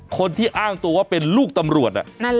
คนที่อ้างตัวว่าเป็นลูกตำรวจอ่ะนั่นแหละ